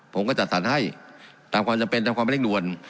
ผมก็จัดสรรให้ตามความจำเป็นตามความเร่งด่วน